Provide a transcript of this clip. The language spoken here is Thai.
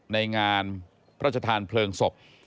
ในงานพระชธานเพลิงศพ